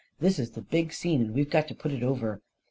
This is the big scene, and we've got to put it over.